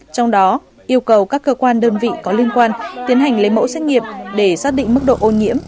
trong đó yêu cầu các cơ quan đơn vị có liên quan tiến hành lấy mẫu xét nghiệm để xác định mức độ ô nhiễm